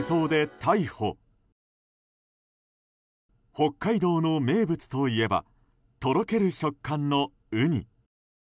北海道の名物といえばとろける食感のウニ。